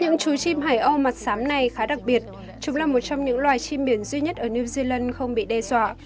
những chú chim hải âu mặt sám này khá đặc biệt chúng là một trong những loài chim biển duy nhất ở new zealand không bị đe dọa